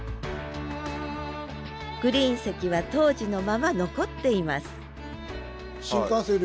グリーン席は当時のまま残っています